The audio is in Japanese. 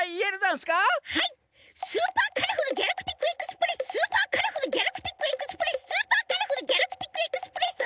はいスーパーカラフルギャラクティックエクスプレススーパーカラフルギャラクティックエクスプレススーパーカラフルギャラクティックエクスプレス！